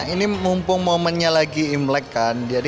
ini mumpung momennya lagi imlek kan